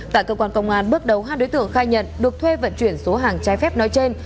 tại cơ quan công an bước đầu hai đối tượng khai nhận được thuê vận chuyển số hàng trái phép nói trên